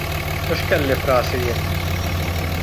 U x'kelli f'rasi jien?